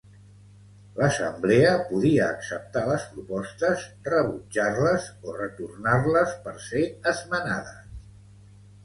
L'assemblea podia acceptar les propostes, rebutjar-les, o retornar-les per ser esmenades.